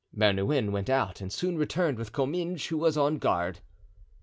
Bernouin went out and soon returned with Comminges, who was on guard.